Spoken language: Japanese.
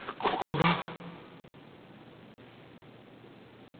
ここが！